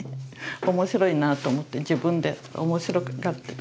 面白いなぁと思って自分で面白がってる。